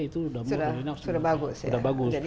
itu sudah bagus sudah bagus ya sudah bagus